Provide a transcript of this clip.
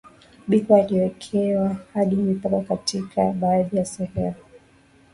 Biko aliwekewa hadi mipaka katika baadhi ya sehemu